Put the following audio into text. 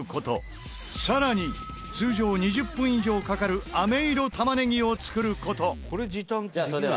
更に通常２０分以上かかる飴色玉ねぎを作る事。